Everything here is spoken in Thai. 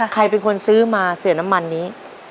ใครเป็นคนซื้อมาเสียน้ำมันนี้